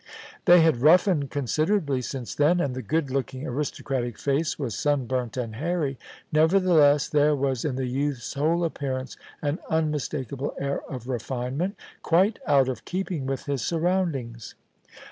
They had roughened considerably since then, and the good looking, aristocratic face was sunburnt and hairy ; neverthe less, there was in the youth's whole appearance an unmis takable air of refinement, quite out of keeping with his sur roundings.